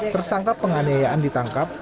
tersangka penganiayaan ditangkap